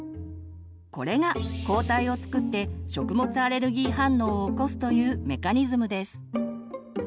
これが抗体を作って食物アレルギー反応を起こすというメカニズムです。